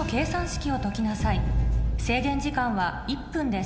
制限時間は１分です